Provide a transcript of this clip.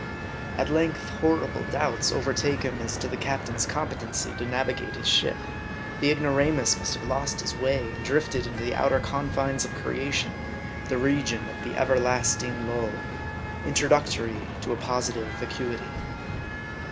At length horrible doubts overtake him as to the cap tain's competency to navigate his ship. The ignoramus must have lost his way, and drifted into the outer confines of creation, the region of the everlasting lull, introductory to a positive vacuity.